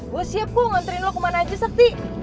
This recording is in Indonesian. gue siap gue nganterin lo kemana aja sakti